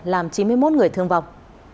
làm chín mươi một người thương vọng